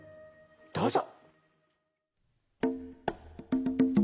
どうぞ。